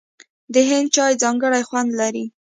د هند چای ځانګړی خوند لري.